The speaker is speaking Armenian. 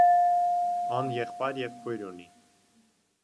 Ան եղբայր եւ քոյր ունի։